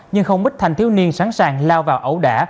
nhưng không bích thành thiếu niên sẵn sàng lao vào ẩu đả